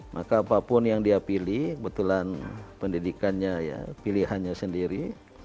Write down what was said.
maka apapun yang dia pilih kebetulan pendidikannya pilihannya sendiri